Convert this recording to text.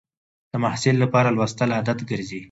د محصل لپاره لوستل عادت ګرځي.